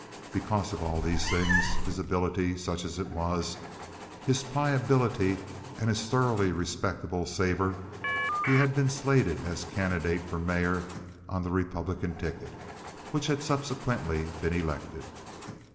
Because of all these things—his ability, such as it was, his pliability, and his thoroughly respectable savor—he had been slated as candidate for mayor on the Republican ticket, which had subsequently been elected.